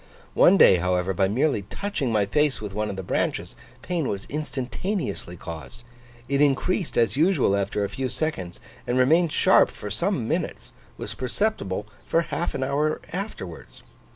One day, however, by merely touching my face with one of the branches, pain was instantaneously caused; it increased as usual after a few seconds, and remaining sharp for some minutes, was perceptible for half an hour afterwards.